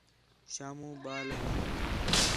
شامو ٻال ہا